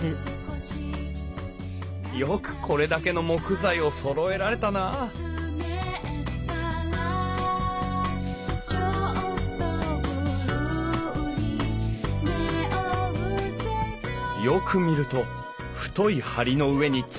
よくこれだけの木材をそろえられたなあよく見ると太い梁の上に小さな梁。